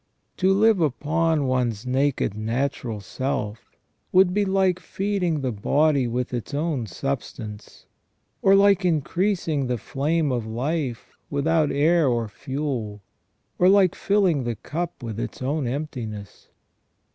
To live upon one's naked natural self would be like feeding the body with its own substance, or like increasing the flame of life without air or fuel, or like filling the cup with its own emptiness.